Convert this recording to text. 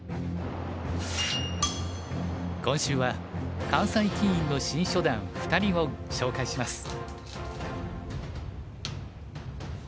今週は関西棋院の新初段２人を紹介します。